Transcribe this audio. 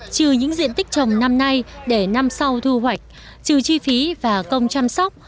trừ những diện tích trồng năm nay để năm sau thu hoạch trừ chi phí và công chăm sóc